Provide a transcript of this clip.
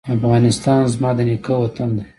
افغانستان زما د نیکه وطن دی؟